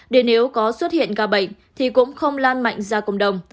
để nếu có xuất hiện ca bệnh thì cũng không lan mạnh ra cộng đồng